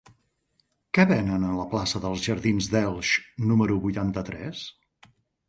Què venen a la plaça dels Jardins d'Elx número vuitanta-tres?